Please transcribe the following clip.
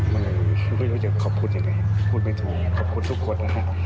มันเลยไม่รู้จะขอบคุณยังไงพูดไม่ถูกขอบคุณทุกคนนะฮะ